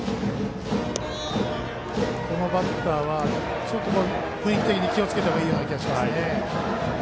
このバッターは雰囲気的に気をつけた方がいい気がします。